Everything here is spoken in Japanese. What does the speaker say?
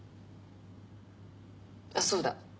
あっそうだ。